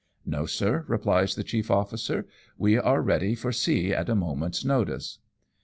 " No, sir," replies the chief officer, " we are ready for sea at a moment's notice."